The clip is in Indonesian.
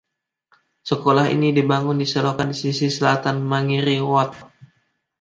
Sekolah ini dibangun di selokan di sisi selatan Mangere Road.